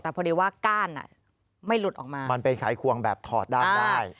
แต่พอดีว่าก้านไม่หลุดออกมามันเป็นไขควงแบบถอดด้านได้